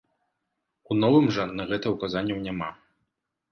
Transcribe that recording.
У новым жа на гэта указанняў няма.